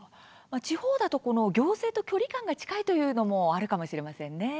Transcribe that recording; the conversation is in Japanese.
地方だと行政と距離感が近いというのもあるかもしれませんね。